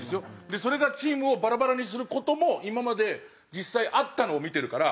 それがチームをバラバラにする事も今まで実際あったのを見てるから。